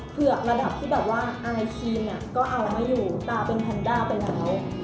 เผือกระดับที่อายทีนก็เอามาอยู่ตาเป็นแพนด้าไปแล้ว